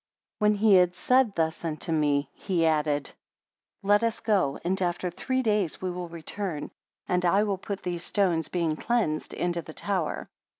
61 When he had said thus unto me, he added; Let us go, and after three days we will return, and I will put these stones, being cleansed, into the tower.